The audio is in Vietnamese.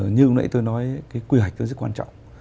như hôm nãy tôi nói cái quy hoạch rất quan trọng